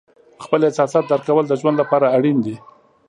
خپل احساسات درک کول د ژوند لپاره اړین دي.